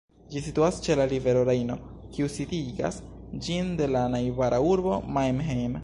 Ĝi situas ĉe la rivero Rejno, kiu disigas ĝin de la najbara urbo Mannheim.